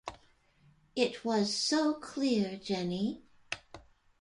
It was so clear, Jenny.